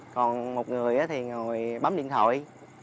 còn một người thì ngồi bấm điện thoại